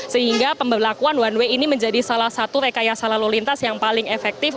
sehingga pemberlakuan one way ini menjadi salah satu rekayasa lalu lintas yang paling efektif